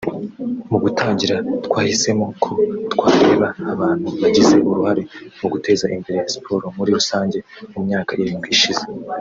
Mu gutangira twahisemo ko twareba abantu bagize uruhare mu guteza imbere siporo muri rusange mu myaka irindwi ishize